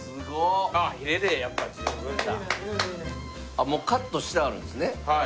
あっもうカットしてあるんですね。